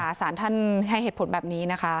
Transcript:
สารท่านให้เหตุผลแบบนี้นะคะ